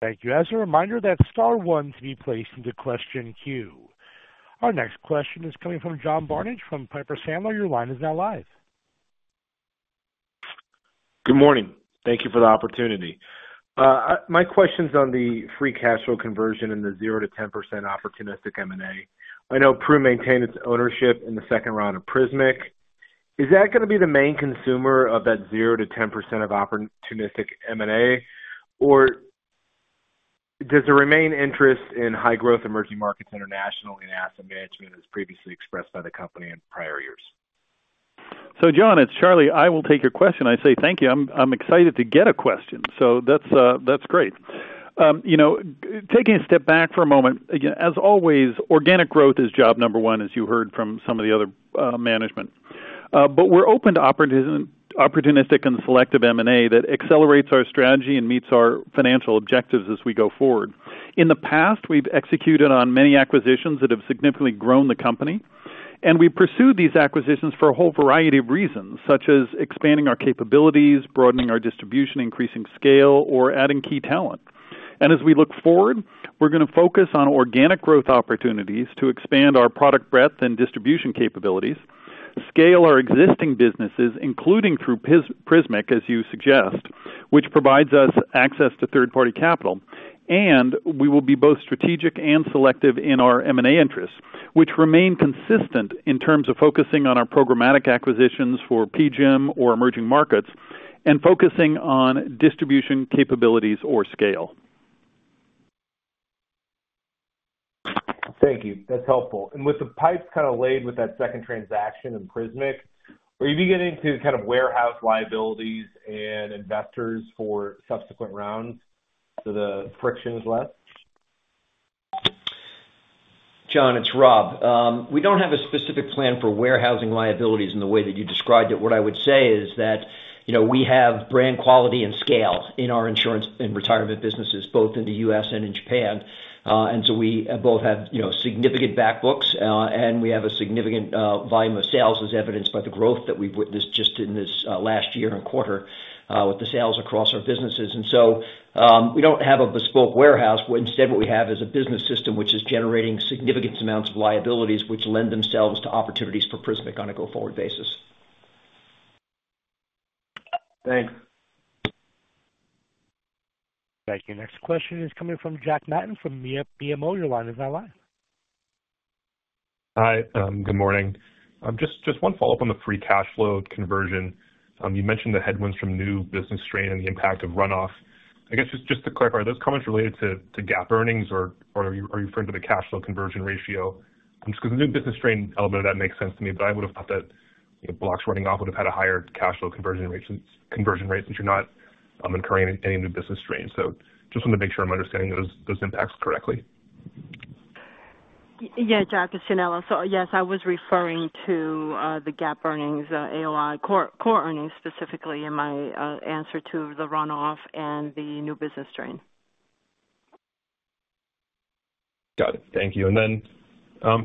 Thank you. As a reminder, that star one's being placed into the queue. Our next question is coming from John Barnidge from Piper Sandler. Your line is now live. Good morning. Thank you for the opportunity. My question's on the free cash flow conversion and the 0%-10% opportunistic M&A. I know Pru maintained its ownership in the second round of Prismic. Is that going to be the main consumer of that 0%-10% of opportunistic M&A, or does the remaining interest in high-growth emerging markets internationally and asset management, as previously expressed by the company in prior years? So, John, it's Charles. I will take your question. I say thank you. I'm excited to get a question. So that's great. Taking a step back for a moment, as always, organic growth is job number one, as you heard from some of the other management. But we're open to opportunistic and selective M&A that accelerates our strategy and meets our financial objectives as we go forward. In the past, we've executed on many acquisitions that have significantly grown the company. And we've pursued these acquisitions for a whole variety of reasons, such as expanding our capabilities, broadening our distribution, increasing scale, or adding key talent. And as we look forward, we're going to focus on organic growth opportunities to expand our product breadth and distribution capabilities, scale our existing businesses, including through Prismic, as you suggest, which provides us access to third-party capital. We will be both strategic and selective in our M&A interests, which remain consistent in terms of focusing on our programmatic acquisitions for PGIM or emerging markets and focusing on distribution capabilities or scale. Thank you. That's helpful. And with the pipes kind of laid with that second transaction in Prismic, are you beginning to kind of warehouse liabilities and investors for subsequent rounds so the friction is less? John, it's Rob. We don't have a specific plan for warehousing liabilities in the way that you described it. What I would say is that we have brand quality and scale in our insurance and retirement businesses, both in the U.S. and in Japan. And so we both have significant backbooks, and we have a significant volume of sales, as evidenced by the growth that we've witnessed just in this last year and quarter with the sales across our businesses. And so we don't have a bespoke warehouse. Instead, what we have is a business system which is generating significant amounts of liabilities, which lend themselves to opportunities for Prismic on a go-forward basis. Thanks. Thank you. Next question is coming from Jack Matten from BMO. Your line is now live. Hi. Good morning. Just one follow-up on the free cash flow conversion. You mentioned the headwinds from new business strain and the impact of runoff. I guess just to clarify, are those comments related to GAAP earnings, or are you referring to the cash flow conversion ratio? Just because the new business strain element of that makes sense to me, but I would have thought that blocks running off would have had a higher cash flow conversion rate since you're not incurring any new business strain. So just wanted to make sure I'm understanding those impacts correctly. Yeah, Jack, it's Yanela. So yes, I was referring to the GAAP earnings, AOI, core earnings specifically in my answer to the runoff and the new business strain. Got it. Thank you. And then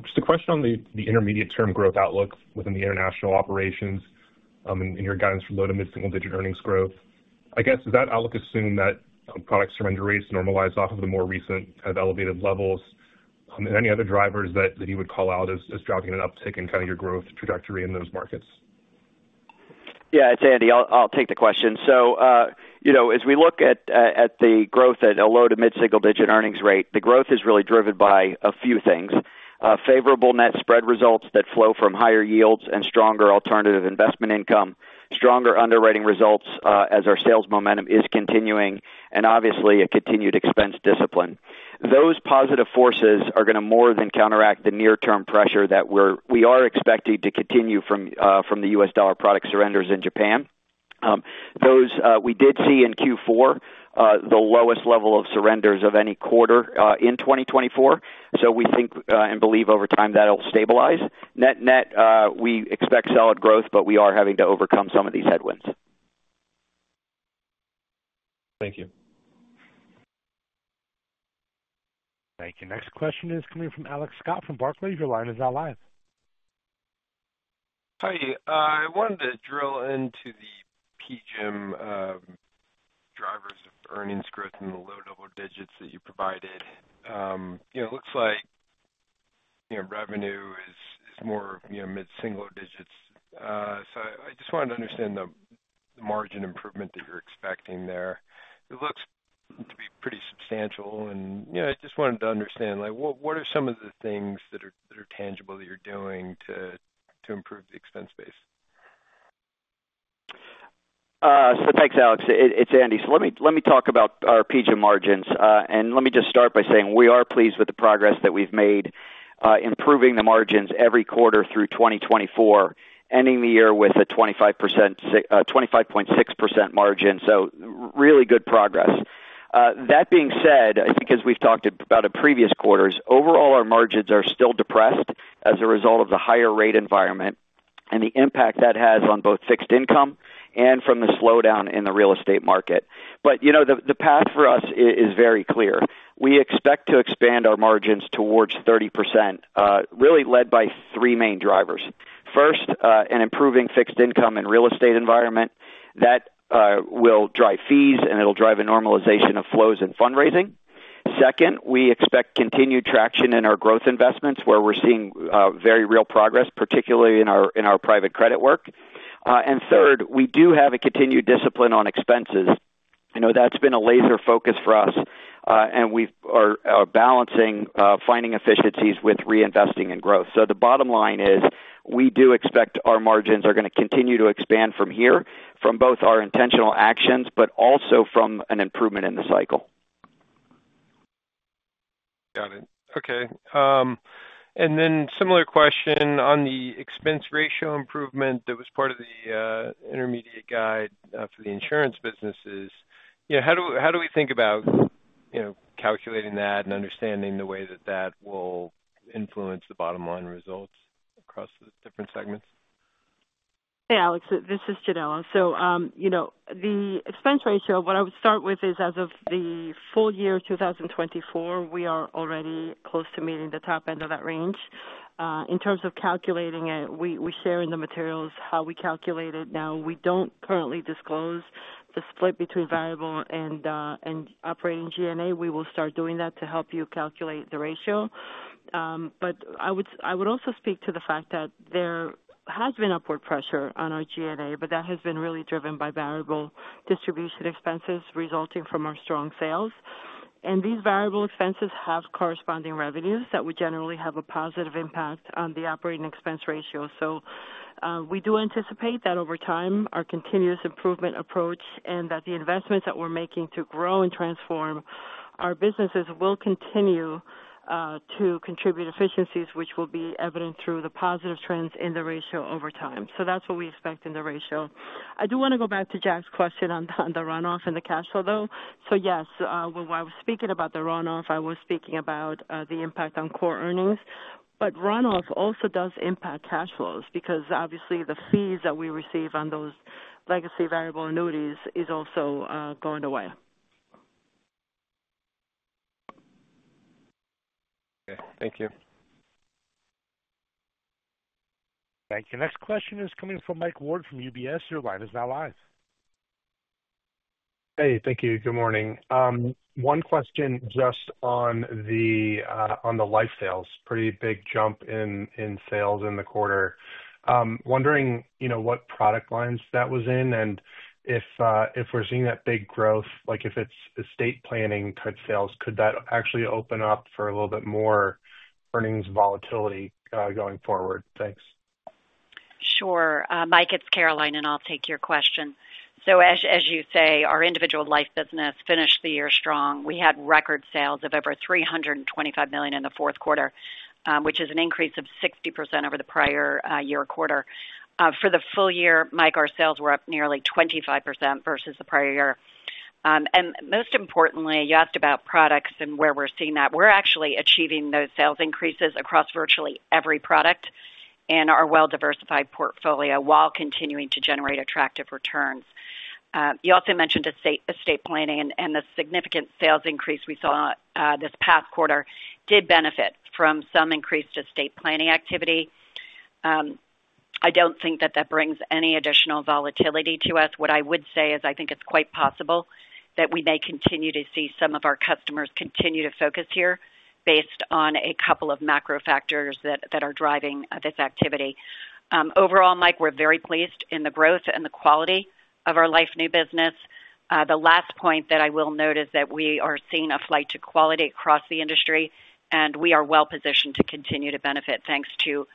just a question on the intermediate-term growth outlook within the international operations and your guidance for low- to mid-single-digit earnings growth. I guess, does that outlook assume that product surrender rates normalize off of the more recent kind of elevated levels? Are there any other drivers that you would call out as driving an uptick in kind of your growth trajectory in those markets? Yeah. It's Andy. I'll take the question, so as we look at the growth at a low to mid-single-digit earnings rate, the growth is really driven by a few things: favorable net spread results that flow from higher yields and stronger alternative investment income, stronger underwriting results as our sales momentum is continuing, and obviously, a continued expense discipline. Those positive forces are going to more than counteract the near-term pressure that we are expecting to continue from the U.S. dollar product surrenders in Japan. We did see in Q4 the lowest level of surrenders of any quarter in 2024, so we think and believe over time that'll stabilize. Net net, we expect solid growth, but we are having to overcome some of these headwinds. Thank you. Thank you. Next question is coming from Alex Scott from Barclays. Your line is now live. Hi. I wanted to drill into the PGIM drivers of earnings growth in the low double digits that you provided. It looks like revenue is more mid-single digits. So I just wanted to understand the margin improvement that you're expecting there. It looks to be pretty substantial. And I just wanted to understand, what are some of the things that are tangible that you're doing to improve the expense base? Thanks, Alex. It's Andy. Let me talk about our PGIM margins. Let me just start by saying we are pleased with the progress that we've made, improving the margins every quarter through 2024, ending the year with a 25.6% margin. Really good progress. That being said, I think as we've talked about in previous quarters, overall, our margins are still depressed as a result of the higher rate environment and the impact that has on both fixed income and from the slowdown in the real estate market. The path for us is very clear. We expect to expand our margins towards 30%, really led by three main drivers. First, an improving fixed income and real estate environment. That will drive fees, and it'll drive a normalization of flows and fundraising. Second, we expect continued traction in our growth investments, where we're seeing very real progress, particularly in our private credit work, and third, we do have a continued discipline on expenses. I know that's been a laser focus for us, and we are balancing finding efficiencies with reinvesting in growth, so the bottom line is we do expect our margins are going to continue to expand from here, from both our intentional actions, but also from an improvement in the cycle. Got it. Okay. And then similar question on the expense ratio improvement that was part of the intermediate guide for the insurance businesses. How do we think about calculating that and understanding the way that that will influence the bottom line results across the different segments? Hey, Alex. This is Yanela. So the expense ratio, what I would start with is as of the full year 2024, we are already close to meeting the top end of that range. In terms of calculating it, we share in the materials how we calculate it. Now, we don't currently disclose the split between variable and operating G&A. We will start doing that to help you calculate the ratio. But I would also speak to the fact that there has been upward pressure on our G&A, but that has been really driven by variable distribution expenses resulting from our strong sales. And these variable expenses have corresponding revenues that would generally have a positive impact on the operating expense ratio. So we do anticipate that over time, our continuous improvement approach and that the investments that we're making to grow and transform our businesses will continue to contribute efficiencies, which will be evident through the positive trends in the ratio over time. So that's what we expect in the ratio. I do want to go back to Jack's question on the runoff and the cash flow, though. So yes, while I was speaking about the runoff, I was speaking about the impact on core earnings. But runoff also does impact cash flows because, obviously, the fees that we receive on those legacy variable annuities is also going away. Okay. Thank you. Thank you. Next question is coming from Mike Ward from UBS. Your line is now live. Hey. Thank you. Good morning. One question just on the life sales. Pretty big jump in sales in the quarter. Wondering what product lines that was in and if we're seeing that big growth, like if it's estate planning type sales, could that actually open up for a little bit more earnings volatility going forward? Thanks. Sure. Mike, it's Caroline, and I'll take your question. So as you say, our Individual life business finished the year strong. We had record sales of over $325 million in the fourth quarter, which is an increase of 60% over the prior year quarter. For the full year, Mike, our sales were up nearly 25% versus the prior year. And most importantly, you asked about products and where we're seeing that. We're actually achieving those sales increases across virtually every product in our well-diversified portfolio while continuing to generate attractive returns. You also mentioned estate planning, and the significant sales increase we saw this past quarter did benefit from some increased estate planning activity. I don't think that that brings any additional volatility to us. What I would say is I think it's quite possible that we may continue to see some of our customers continue to focus here based on a couple of macro factors that are driving this activity. Overall, Mike, we're very pleased in the growth and the quality of our life new business. The last point that I will note is that we are seeing a flight to quality across the industry, and we are well-positioned to continue to benefit thanks to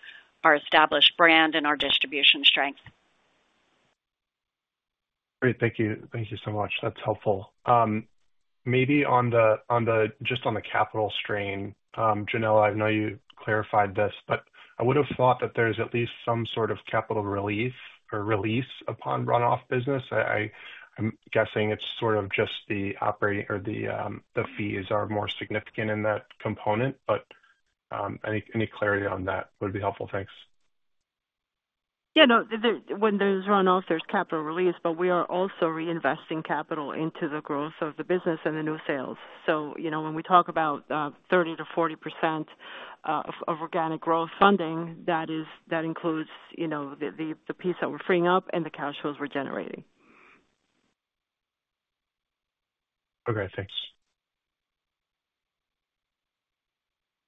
our established brand and our distribution strength. Great. Thank you. Thank you so much. That's helpful. Maybe just on the capital strain, Yanela, I know you clarified this, but I would have thought that there's at least some sort of capital relief or release upon runoff business. I'm guessing it's sort of just the fees are more significant in that component. But any clarity on that would be helpful. Thanks. Yeah. No. When there's runoff, there's capital release, but we are also reinvesting capital into the growth of the business and the new sales. So when we talk about 30%-40% of organic growth funding, that includes the piece that we're freeing up and the cash flows we're generating. Okay. Thanks.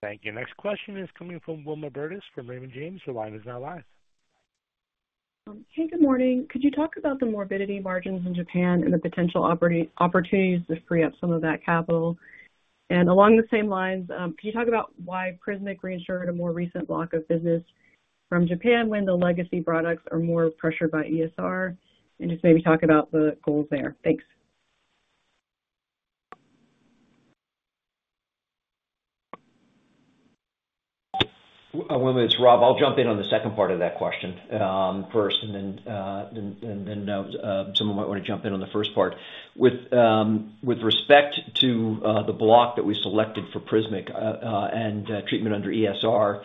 Thank you. Next question is coming from Wilma Burdis from Raymond James. Your line is now live. Hey. Good morning. Could you talk about the morbidity margins in Japan and the potential opportunities to free up some of that capital? And along the same lines, can you talk about why Prismic reinsured a more recent block of business from Japan when the legacy products are more pressured by ESR? And just maybe talk about the goals there. Thanks. For this, Rob, I'll jump in on the second part of that question first, and then someone might want to jump in on the first part. With respect to the block that we selected for Prismic and treatment under ESR,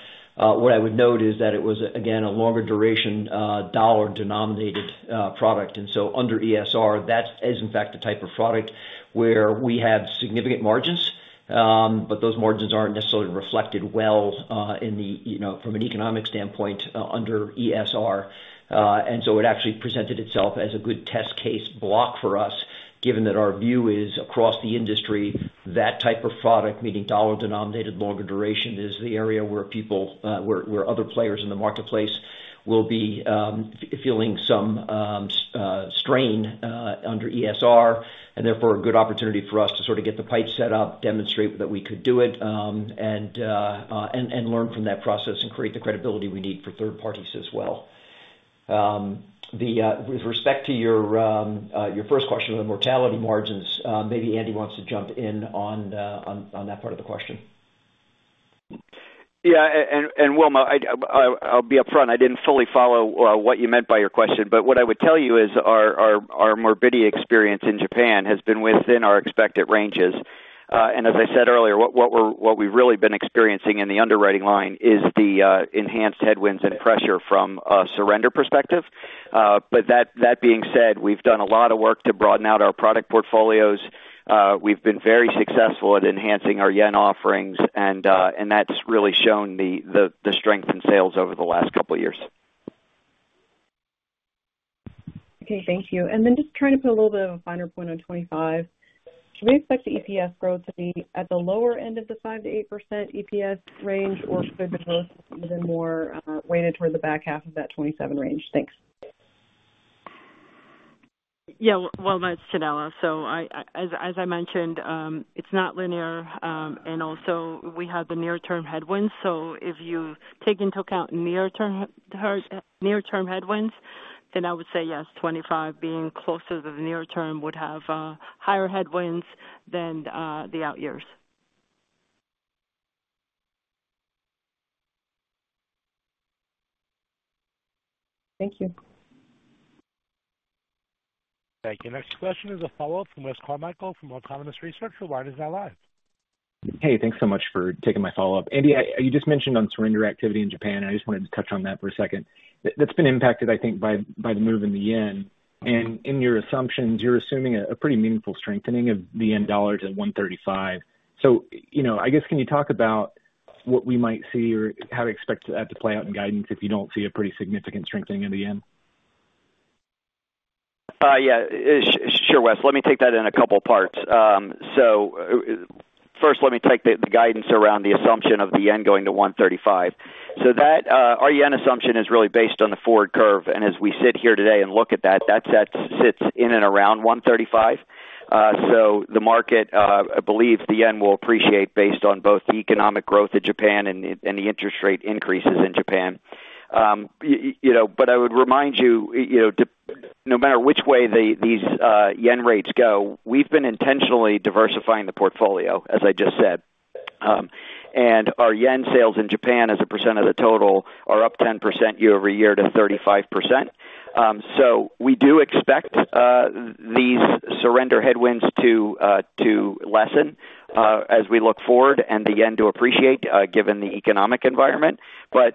what I would note is that it was, again, a longer duration dollar-denominated product. So under ESR, that is, in fact, the type of product where we had significant margins, but those margins aren't necessarily reflected well from an economic standpoint under ESR. And so it actually presented itself as a good test case block for us, given that our view is across the industry, that type of product, meaning dollar-denominated longer duration, is the area where other players in the marketplace will be feeling some strain under ESR, and therefore a good opportunity for us to sort of get the pipes set up, demonstrate that we could do it, and learn from that process and create the credibility we need for third parties as well. With respect to your first question of the mortality margins, maybe Andy wants to jump in on that part of the question. Yeah. And Wilma, I'll be upfront. I didn't fully follow what you meant by your question, but what I would tell you is our morbidity experience in Japan has been within our expected ranges. And as I said earlier, what we've really been experiencing in the underwriting line is the enhanced headwinds and pressure from a surrender perspective. But that being said, we've done a lot of work to broaden out our product portfolios. We've been very successful at enhancing our yen offerings, and that's really shown the strength in sales over the last couple of years. Okay. Thank you. And then just trying to put a little bit of a finer point on 25. Should we expect the EPS growth to be at the lower end of the 5%-8% EPS range, or should the growth be even more weighted toward the back half of that 27 range? Thanks. Yeah. Wilma and Yanela. So as I mentioned, it's not linear. And also, we have the near-term headwinds. So if you take into account near-term headwinds, then I would say yes, 25 being closer to the near-term would have higher headwinds than the out years. Thank you. Thank you. Next question is a follow-up from Wes Carmichael from Autonomous Research. Your line is now live. Hey. Thanks so much for taking my follow-up. Andy, you just mentioned on surrender activity in Japan, and I just wanted to touch on that for a second. That's been impacted, I think, by the move in the yen. And in your assumptions, you're assuming a pretty meaningful strengthening of the yen dollar to 135. So I guess, can you talk about what we might see or how to expect that to play out in guidance if you don't see a pretty significant strengthening of the yen? Yeah. Sure, Wes. Let me take that in a couple of parts. So first, let me take the guidance around the assumption of the yen going to 135. So our yen assumption is really based on the forward curve. And as we sit here today and look at that, that sits in and around 135. So the market, I believe, the yen will appreciate based on both the economic growth in Japan and the interest rate increases in Japan. But I would remind you, no matter which way these yen rates go, we've been intentionally diversifying the portfolio, as I just said. And our yen sales in Japan, as a percent of the total, are up 10% year-over-year to 35%. So we do expect these surrender headwinds to lessen as we look forward and the yen to appreciate given the economic environment.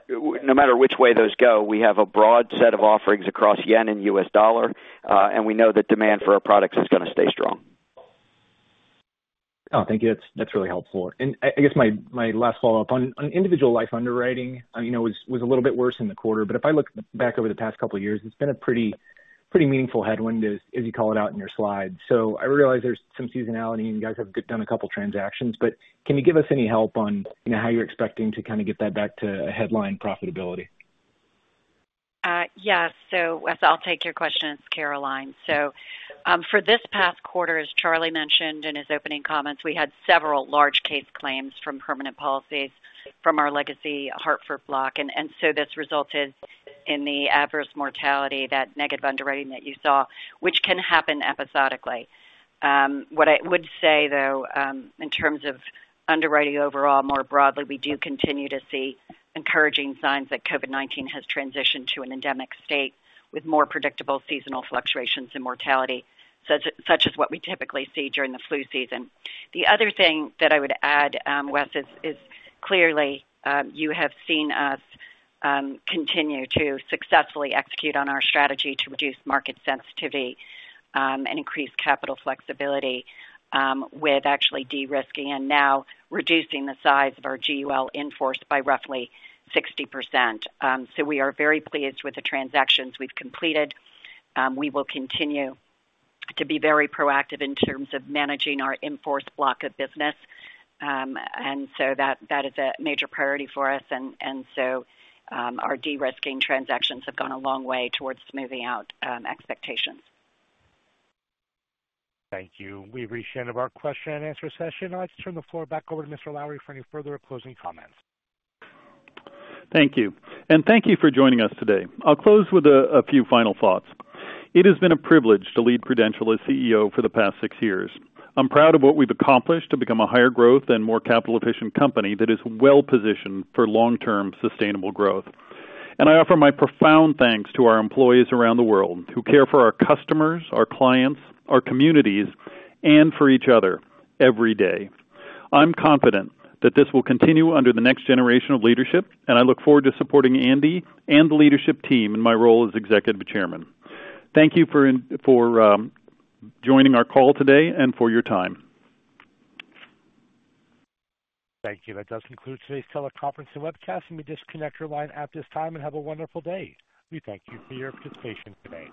No matter which way those go, we have a broad set of offerings across yen and U.S. dollar, and we know that demand for our products is going to stay strong. Oh, thank you. That's really helpful, and I guess my last follow-up on Individual life underwriting was a little bit worse in the quarter, but if I look back over the past couple of years, it's been a pretty meaningful headwind, as you call it out in your slides, so I realize there's some seasonality, and you guys have done a couple of transactions, but can you give us any help on how you're expecting to kind of get that back to headline profitability? Yes. So Wes, I'll take your question as Caroline. So for this past quarter, as Charles mentioned in his opening comments, we had several large case claims from permanent policies from our legacy Hartford block. And so this resulted in the adverse mortality, that negative underwriting that you saw, which can happen episodically. What I would say, though, in terms of underwriting overall, more broadly, we do continue to see encouraging signs that COVID-19 has transitioned to an endemic state with more predictable seasonal fluctuations in mortality, such as what we typically see during the flu season. The other thing that I would add, Wes, is clearly you have seen us continue to successfully execute on our strategy to reduce market sensitivity and increase capital flexibility with actually de-risking and now reducing the size of our GUL in force by roughly 60%. We are very pleased with the transactions we've completed. We will continue to be very proactive in terms of managing our inforce block of business. That is a major priority for us. Our de-risking transactions have gone a long way towards smoothing out expectations. Thank you. We reached the end of our question and answer session. I'd like to turn the floor back over to Mr. Lowrey for any further closing comments. Thank you. And thank you for joining us today. I'll close with a few final thoughts. It has been a privilege to lead Prudential as CEO for the past six years. I'm proud of what we've accomplished to become a higher growth and more capital-efficient company that is well-positioned for long-term sustainable growth. And I offer my profound thanks to our employees around the world who care for our customers, our clients, our communities, and for each other every day. I'm confident that this will continue under the next generation of leadership, and I look forward to supporting Andy and the leadership team in my role as Executive Chairman. Thank you for joining our call today and for your time. Thank you. That does conclude today's teleconference and webcast. Let me disconnect your line at this time and have a wonderful day. We thank you for your participation today.